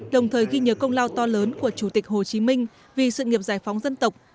đồng thời ghi nhớ công lao to lớn của chủ tịch hồ chí minh vì sự nghiệp giải phóng dân tộc